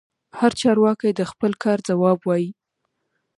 هر چارواکي د خپل کار ځواب وايي.